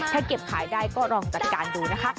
ถ้าเก็บขายได้ก็ลองจัดการดูนะคะ